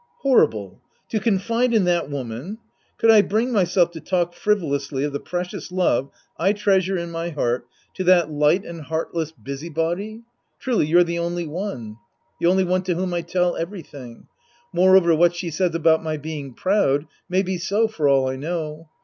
Horrible ! To confide in that woman ! Could I bring myself to talk frivolously of the precious love I treasure in my heart to that light and heartless Sc. I The Priest and His Disciples 163 busybody. Truly you're the only one. The only one to whom I tell eveiything. Moreover, what she says about my being proud may be so for all I know.